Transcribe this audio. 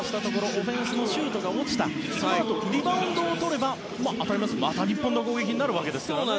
オフェンスのシュートが落ちてそのあとリバウンドをとれば当たり前ですが、また日本の攻撃になりますからね。